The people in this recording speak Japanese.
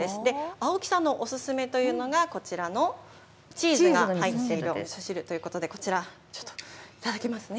青木さんのお薦めというのが、こちらのチーズが入っているおみそ汁ということで、こちら、ちょっと頂きますね。